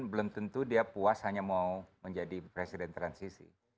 belum tentu dia puas hanya mau menjadi presiden transisi